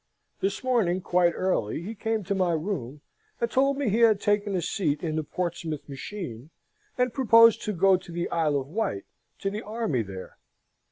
This morning, quite early, he came to my room, and told me he had taken a seat in the Portsmouth machine, and proposed to go to the Isle of Wight, to the army there.'"